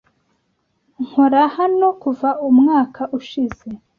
Nkora hano kuva umwaka ushize